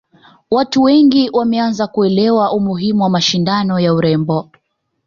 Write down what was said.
watu wengi wameanza kuelewa umuhimu wa mashindano ya urembo